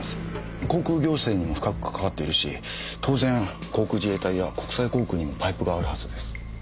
航空行政にも深くかかわっているし当然航空自衛隊や国際航空にもパイプがあるはずです。